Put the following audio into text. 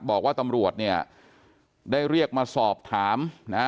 บอกว่าตำรวจเนี่ยได้เรียกมาสอบถามนะฮะ